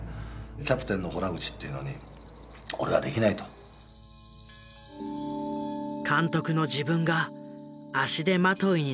キャプテンの洞口っていうのに「俺はできない」と。監督の自分が足手まといになるわけにはいかない。